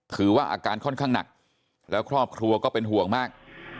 ถือว่าอาการค่อนข้างหนักแล้วครอบครัวก็เป็นห่วงมาก